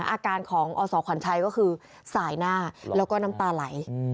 อาการของอสขวัญชัยก็คือสายหน้าแล้วก็น้ำตาไหล